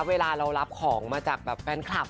เวลาเรารับของมาจากแบบแฟนคลับ